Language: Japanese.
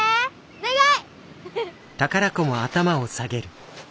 お願い！